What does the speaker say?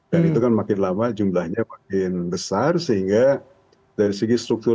dan itu kan makin lama jumlahnya makin besar sehingga dari segi struktur